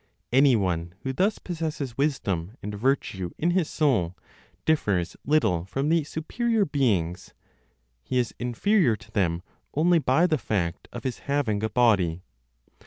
Anyone who thus possesses wisdom and virtue in his soul differs little from the superior beings; he is inferior to them only by the fact of his having a body.